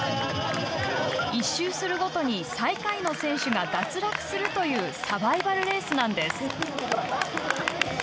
１周するごとに最下位の選手が脱落するというサバイバルレースなんです。